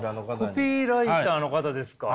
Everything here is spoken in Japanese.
コピーライターの方ですか？